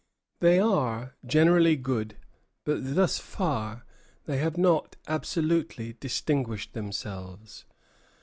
"They are generally good, but thus far they have not absolutely distinguished themselves.